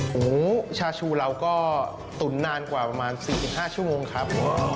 หมูชาชูเราก็ตุ๋นนานกว่าประมาณ๔๕ชั่วโมงครับ